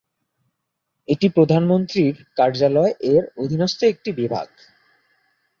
এটি প্রধানমন্ত্রীর কার্যালয় এর অধীনস্থ একটি বিভাগ।